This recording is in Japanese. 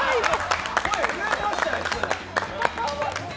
声、震えてましたよ。